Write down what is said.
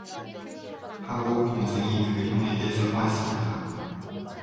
하고 동생이 그 형에게 사과했습니다.